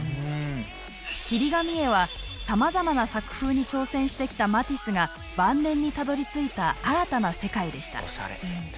切り紙絵はさまざまな作風に挑戦してきたマティスが晩年にたどりついた新たな世界でした。